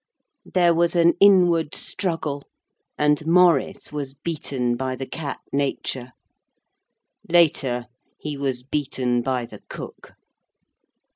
There was an inward struggle and Maurice was beaten by the cat nature. Later he was beaten by the cook.